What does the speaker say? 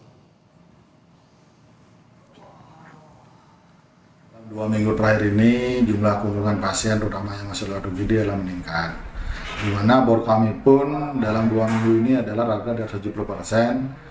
kondisi ini membuat jumlah ketersediaan kasur di ruang perawatan rumah sakit sudah mencapai tujuh puluh lima persen